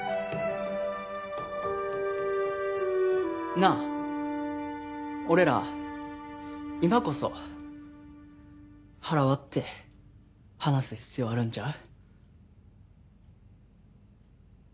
なあ俺ら今こそ腹割って話す必要あるんちゃう？